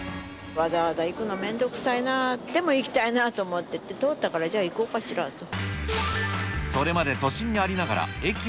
わざわざ行くのめんどくさいなって、でも行きたいなと思ってて通ったから、じゃあ、行こうかしらと。